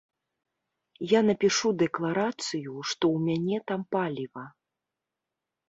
Я напішу дэкларацыю, што ў мяне там паліва.